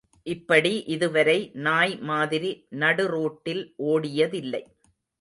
இப்படி இதுவரை நாய் மாதிரி நடுரோட்டில் ஓடியதில்லை.